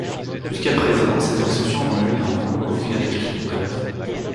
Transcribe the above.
Jusqu'à présent, ces extensions n'ont eu, néanmoins, aucune application concrète.